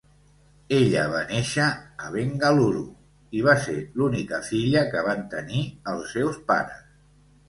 Ella va néixer a Bengaluru i va ser l'única filla que van tenir els seus pares.